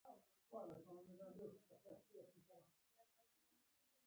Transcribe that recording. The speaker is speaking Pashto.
د نارنج ګل عطر لري؟